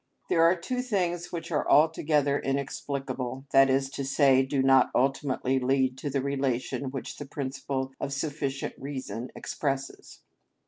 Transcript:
There are two things which are altogether inexplicable,—that is to say, do not ultimately lead to the relation which the principle of sufficient reason expresses.